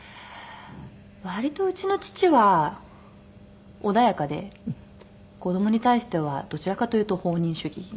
割とうちの父は穏やかで子どもに対してはどちらかというと放任主義。